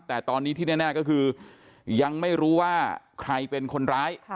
แต่ตอนนี้ที่แน่ก็คือยังไม่รู้ว่าใครเป็นคนร้าย